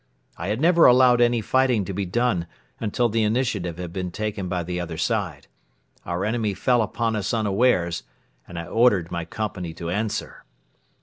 I had never allowed any fighting to be done until the initiative had been taken by the other side. Our enemy fell upon us unawares and I ordered my company to answer.